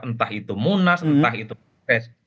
entah itu munas entah itu